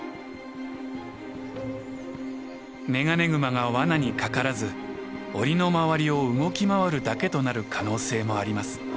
メガネグマが罠にかからず檻の周りを動き回るだけとなる可能性もあります。